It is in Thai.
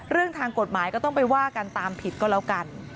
เรื่องทางกฎหมายก็ต้องไปว่ากันตามผิดก็แล้วกัน